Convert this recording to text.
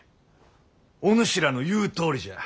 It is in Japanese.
お主らの言うとおりじゃ。